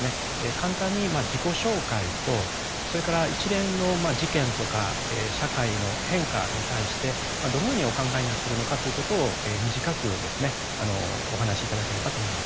簡単に自己紹介とそれから一連の事件とか社会の変化に対してどのようにお考えになってるのかということを短くですねお話し頂ければと思います。